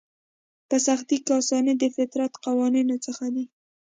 په سختي کې اساني د فطرت قوانینو څخه دی.